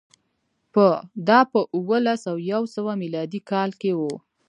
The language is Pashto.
دا په اووه لس او یو سوه میلادي کال کې و